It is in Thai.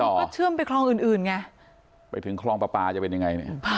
ใช่มันก็เชื่อมไปคลองอื่นอื่นไงไปถึงคลองปลาปลาจะเป็นยังไง